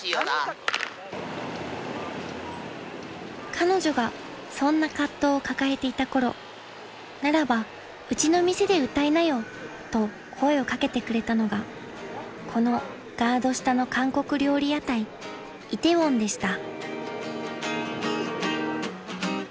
［彼女がそんな葛藤を抱えていた頃「ならばうちの店で歌いなよ」と声を掛けてくれたのがこのガード下の韓国料理屋台イテウォンでした］